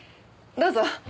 どうぞ。